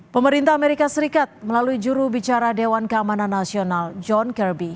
pemerintah amerika serikat melalui juru bicara dewan keamanan nasional john kirby